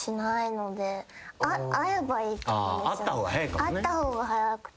会った方が早くて。